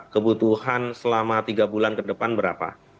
kebutuhan selama tiga bulan ke depan berapa